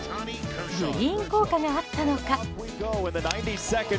グリーン効果があったのか。